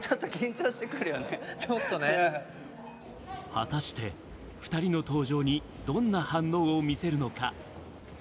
果たして２人の登場にどんな反応を見せるのか。